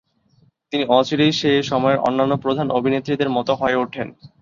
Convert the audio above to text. তিনি অচিরেই সে সময়ের অন্যান্য প্রধান অভিনেত্রীদের মত হয়ে ওঠেন।